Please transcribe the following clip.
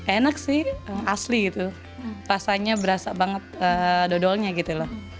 enak sih asli gitu rasanya berasa banget dodolnya gitu loh